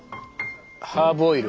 ハーブオイル。